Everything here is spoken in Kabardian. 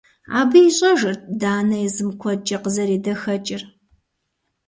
Абы ищӏэжырт Данэ езым куэдкӏэ къызэредэхэкӏыр.